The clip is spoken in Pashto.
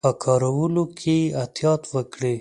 په کارولو کې یې احتیاط وکړي.